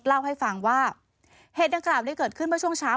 เล่าให้ฟังว่าเหตุดังกล่าวนี้เกิดขึ้นเมื่อช่วงเช้า